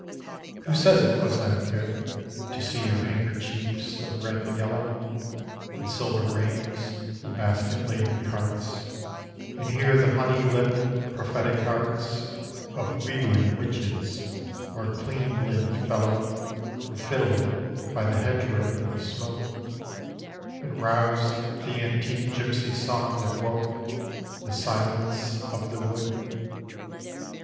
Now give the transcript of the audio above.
Who says it was not good To see your handkerchiefs of red and yellow, And silver rings and basket laden carts, And hear the honey lipped prophetic arts Of wheedling witches, or a clean limbed fellow Who fiddled by the hedgerow in the smoke, And roused the antique Gipsy song that woke The silence of the wood?